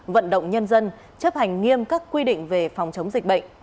vận động nhân dân chấp hành nghiêm các quy định về phòng chống dịch bệnh